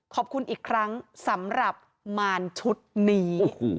ขอบคุณอีกครั้งสำหรับมารชุดนี้